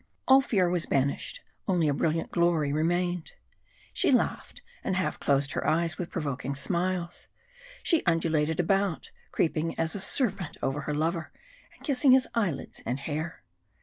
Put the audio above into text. All fear was banished, only a brilliant glory remained. She laughed and half closed her eyes with provoking smiles. She undulated about, creeping as a serpent over her lover, and kissing his eyelids and hair.